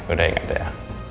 udah ingat ya